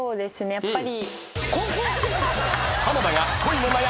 やっぱり。